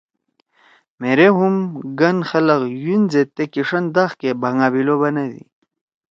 مھیرے ہم گن خلگ یُن زید تے کیِݜن داغ کے بھنگابلو بنَدی۔